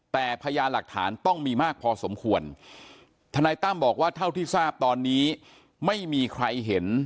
แต่พยานหลักฐานต้องมีมากพอสมควรทนายตั้มบอกว่าเท่าที่ทราบตอนนี้ไม่มีใครเห็น